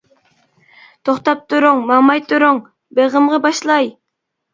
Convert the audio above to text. توختاپ تۇرۇڭ ماڭماي تۇرۇڭ، بېغىمغا باشلاي.